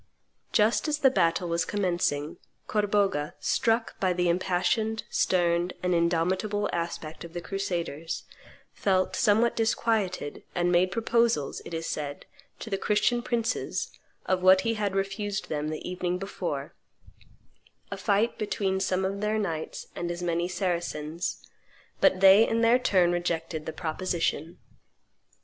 Just as the battle was commencing, Corbogha, struck by the impassioned, stern, and indomitable aspect of the crusaders, felt somewhat disquieted, and made proposals, it is said, to the Christian princes of what he had refused them the evening before a fight between some of their knights and as many Saracens; but they in their turn rejected the proposition.